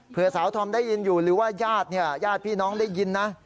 เผื่อสาวทอมได้ยินอยู่หรือว่าญาติพี่น้องได้ยินนะ